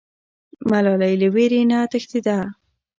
ملالۍ له ویرې نه تښتېده.